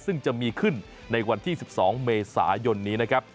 ซึ่งจะมีขึ้นในวันที่๑๒เมษายนนี้นะครับ